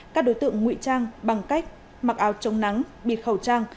các đối tượng ngụy trang bằng cách mặc áo chống nắng bịt khẩu trang